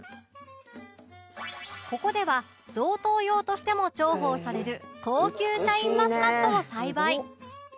ここでは贈答用としても重宝される高級シャインマスカットを栽培